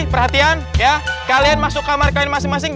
perhatian ya kalian masuk kamar kain masing masing